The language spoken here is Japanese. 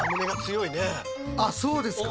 あっそうですか。